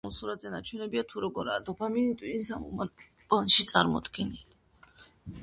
მოცემულ სურათზე ნაჩვენებია თუ როგორაა დოფამინი ტვინის ამ უბანში წარმოდგენილი.